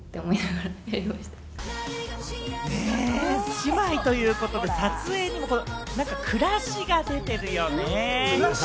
姉妹ということで、撮影にも暮らしが出ているよね。